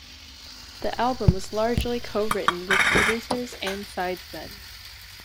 The album was largely co-written with producers and sidesmen.